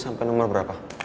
kamu juga philo aah